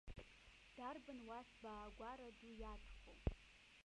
Дарбан уа сбаагәара ду иадхо.